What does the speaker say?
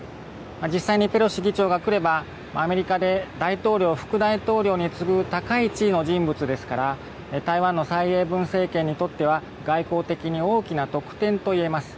実際に、ペロシ議長が来ればアメリカで大統領、副大統領に次ぐ高い地位の人物ですから台湾の蔡英文政権にとっては外交的に大きな得点といえます。